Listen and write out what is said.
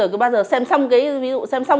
cứ bao giờ xem xong